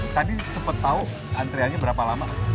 tadi sepet tau antriannya berapa lama